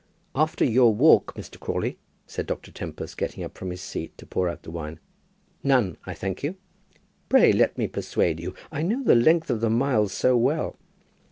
"After your walk, Mr. Crawley," said Dr. Tempest, getting up from his seat to pour out the wine. "None, I thank you." "Pray let me persuade you. I know the length of the miles so well."